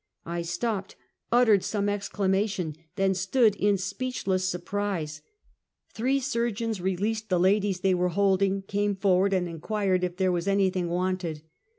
I stopped, uttered some exclamation, then stood in speechless surprise. Three surgeons released the la dies they were holding, came forward and inquired if there was anything wanted.